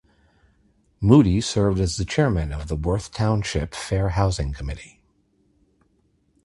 Moody served as the chairman of the Worth Township Fair Housing Committee.